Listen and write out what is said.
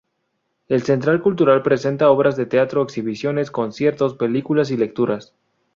El Centro Cultural presenta obras de teatro, exhibiciones, conciertos, películas y lecturas.